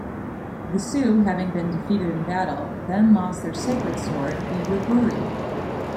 The Sue, having been defeated in battle, then lost their sacred sword the Yugiri.